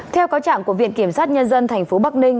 theo cáo trạng của viện kiểm sát nhân dân tp bắc ninh